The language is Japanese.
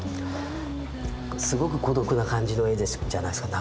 すごく孤独な感じの絵じゃないですか